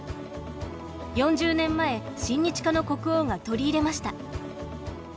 ４０年前親日家の国王が取り入れました。